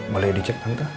boleh dicek tanta